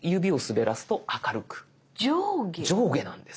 上下なんです。